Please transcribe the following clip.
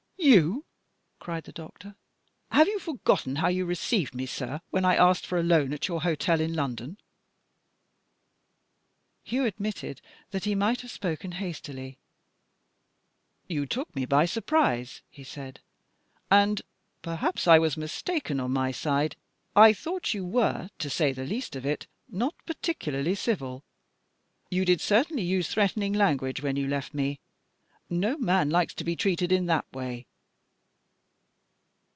"You!" cried the doctor. "Have you forgotten how you received me, sir, when I asked for a loan at your hotel in London?" Hugh admitted that he might have spoken hastily. "You took me by surprise," he said, "and (perhaps I was mistaken, on my side) I thought you were, to say the least of it, not particularly civil. You did certainly use threatening language when you left me. No man likes to be treated in that way."